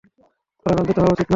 তোর রাগান্বিত হওয়া উচিত না।